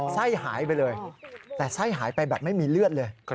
ไส้หายไปเลยแต่ไส้หายไปแบบไม่มีเลือดเลย